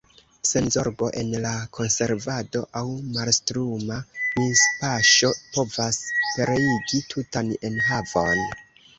Senzorgo en la konservado aŭ mastruma mispaŝo povas pereigi tutan enhavon.